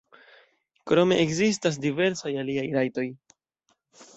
Krome ekzistas diversaj aliaj rajtoj.